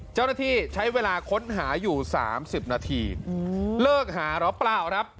เจ้าหน้าที่ใช้เวลาค้นหาอยู่สามสิบนาทีอืมเลิกหาระเปล่าครับ